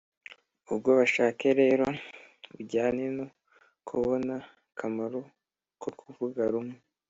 ubwo bushake rero bujyana no kubona akamaro ko kuvuga rumwe